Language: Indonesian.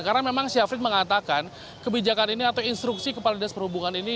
karena memang syafrin mengatakan kebijakan ini atau instruksi kepala dinas perhubungan ini